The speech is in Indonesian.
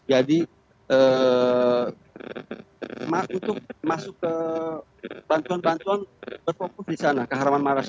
jadi untuk masuk ke bantuan bantuan berfokus di sana kahraman maras